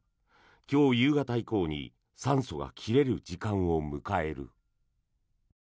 今日夕方以降に酸素が切れる時間を迎える。